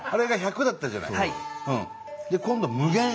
で今度無限。